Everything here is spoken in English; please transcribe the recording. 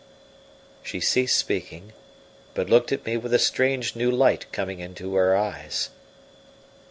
She ceased speaking, but looked at me with a strange new light coming into her eyes.